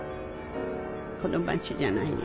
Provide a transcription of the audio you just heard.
この町じゃないよ。